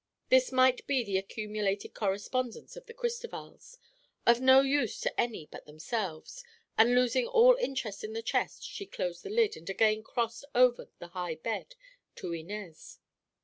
This might be the accumulated correspondence of the Cristovals, of no use to any but themselves, and losing all interest in the chest she closed the lid and again crossed over the high bed to Inez.